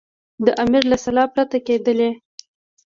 د امیر له سلا پرته کېدلې.